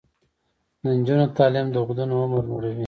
د نجونو تعلیم د ودونو عمر لوړوي.